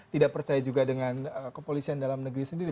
tidak percaya juga dengan kepolisian dalam negeri sendiri